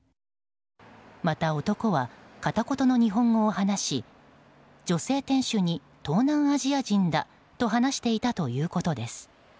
また、男は片言の日本語を話し女性店主に東南アジア人だと話していたということです。